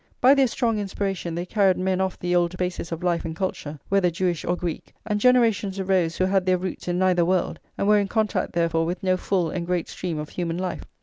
By their strong inspiration they carried men off the old basis of life and culture, whether Jewish or Greek, and generations arose [xlvi] who had their roots in neither world, and were in contact therefore with no full and great stream of human life.